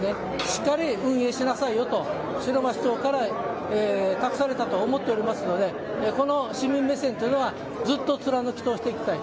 しっかり運営しなさいよと城間市長から託されたと思っておりますのでこの市民目線というのはずっと貫き通していきたい。